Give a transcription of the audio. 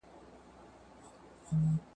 ماشوم به د شپږ کلنۍ په عمر کې مور له لاسه ورکړه.